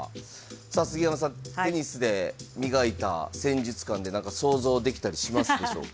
さあ杉山さんテニスで磨いた戦術勘で何か想像できたりしますでしょうか？